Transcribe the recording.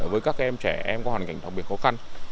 với các em trẻ em có hoàn cảnh đặc biệt khó khăn